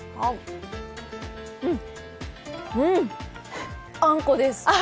うん、うん、あんこです！